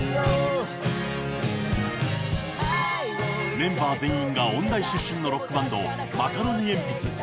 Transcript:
メンバー全員が音大出身のロックバンドマカロニえんぴつ。